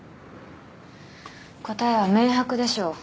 答えは明白でしょう。